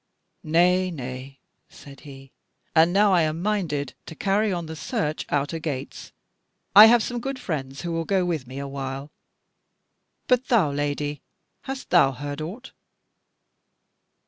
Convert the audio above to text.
"Nay, nay," said he, "and now I am minded to carry on the search out a gates. I have some good friends who will go with me awhile. But thou, Lady, hast thou heard aught?"